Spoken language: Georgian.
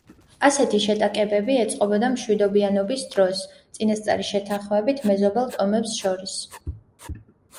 ასეთი შეტაკებები ეწყობოდა მშვიდობიანობის დროს წინასწარი შეთანხმებით მეზობელ ტომებს შორის.